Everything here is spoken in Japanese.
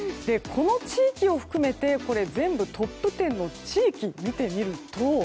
この地域を含めて全部トップ１０の地域を見てみると。